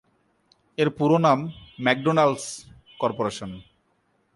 এর পুরো নাম ম্যাকডোনাল্ড’স কর্পোরেশন।